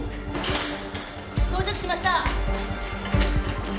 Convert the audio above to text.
・到着しました！